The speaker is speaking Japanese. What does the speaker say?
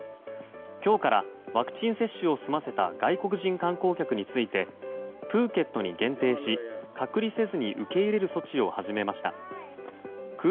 今日からワクチン接種を済ませた外国人観光客についてプーケットに限定し隔離せずに受け入れる措置を始めました。